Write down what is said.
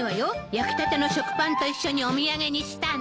焼きたての食パンと一緒にお土産にしたの。